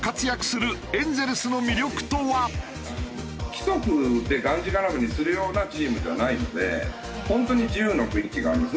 規則でがんじがらめにするようなチームじゃないので本当に自由の雰囲気があります。